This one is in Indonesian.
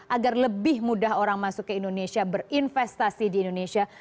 agar lebih mudah orang masuk ke indonesia berinvestasi di indonesia